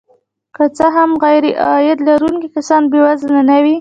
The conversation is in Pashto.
که څه هم غیرعاید لرونکي کسان بې وزله نه وي